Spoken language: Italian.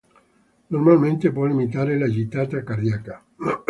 Normalmente può limitare la gittata cardiaca.